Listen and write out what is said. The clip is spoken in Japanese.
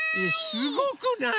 すごくないよ。